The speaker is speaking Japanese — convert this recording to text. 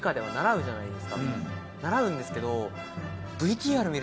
習うんですけど。